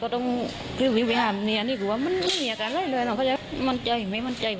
ก็ต้องไปหาเมียนี่ก็ว่ามันไม่มีอาการอะไรเลยนะเขาจะมั่นใจไม่มั่นใจ